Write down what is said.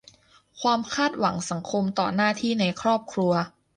- ความคาดหวังสังคมต่อหน้าที่ในครอบครัว